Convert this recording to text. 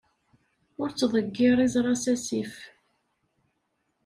Ur ttḍeggir iẓra s asif.